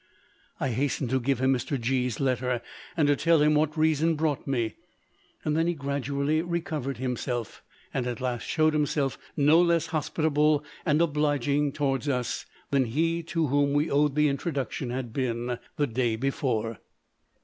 I hastened to give him Mr. G——'s letter and to tell him what reason brought me. Then he gradually recovered himself, and at last showed himself no less hospitable and obliging towards us than he to whom we owed the introduction had been, the day before.